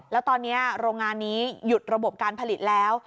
แล้วตอนนี้โรงงานนี้หยุดระบบการผลิตแล้ว